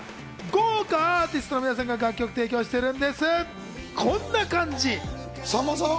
豪華アーティストの皆さんが楽曲提供しているんです、こんな感じ。